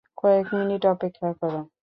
কয়েক মিনিট অপেক্ষা করো।